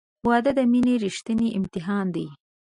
• واده د مینې ریښتینی امتحان دی.